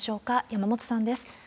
山本さんです。